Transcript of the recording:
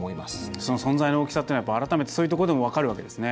その存在の大きさっていうのは改めてそういうところでも分かるわけですね。